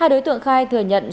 hai đối tượng khai thừa nhận